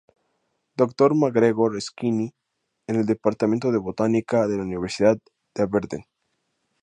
Dr. Macgregor Skene en el Departamento de Botánica de la Universidad de Aberdeen.